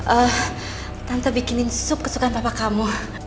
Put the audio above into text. eh tante bikinin sup kesukaan tapa kamu